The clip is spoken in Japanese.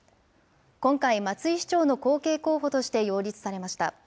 今回、松井市長の後継候補として擁立されました。